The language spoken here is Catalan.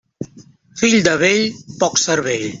Fill de vell, poc cervell.